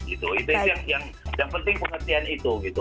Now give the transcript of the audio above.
itu yang penting pengertian itu gitu